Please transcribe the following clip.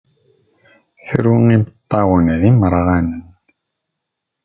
Tru imeṭṭawen d imerɣanen.